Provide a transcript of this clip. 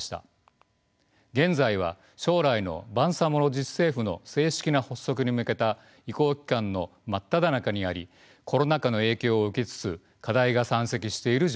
現在は将来のバンサモロ自治政府の正式な発足に向けた移行期間の真っただ中にありコロナ禍の影響を受けつつ課題が山積している状況です。